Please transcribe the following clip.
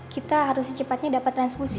kita harus secepatnya dapat transkusi